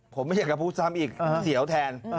ผมไม่อยากจะพูดซ้ำอีกเสียวแทน